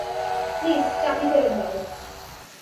Please চাবি ফেরত দাও।